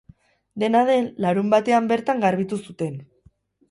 Dena den, larunbatean bertan garbitu zuten.